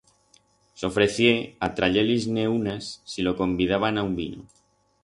S'ofrecié a trayer-lis-ne unas si lo convidaban a un vino.